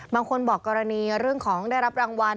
บางคนบอกกรณีเรื่องของได้รับรางวัล